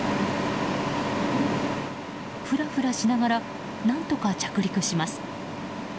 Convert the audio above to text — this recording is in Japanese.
フラフラしながら何とか着陸します。